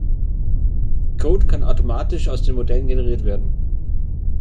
Code kann automatisch aus den Modellen generiert werden.